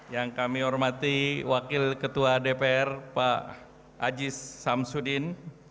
yang kami hormati wakil ketua dpr pak ajis samsudin